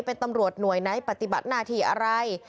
เป็นตำรวจหน่วยไหนปฏิบัติหน้าที่อะไร